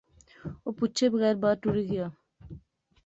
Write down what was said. او پچھے بغیر بار ٹُری غیا